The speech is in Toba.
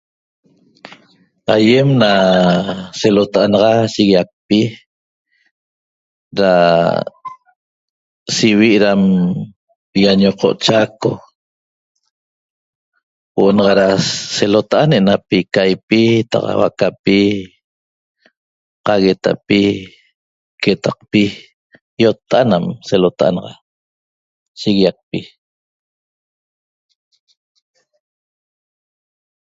Aiem na selota'a naxa shiguiacpi ra sivi' ram iañoqo' Chaco huo'o naxa ra selota'a ne'enapi caipi, taxa huaacapi, qaguetapi, quetacpi iotta'at nam selota'a naxa shiguiacpi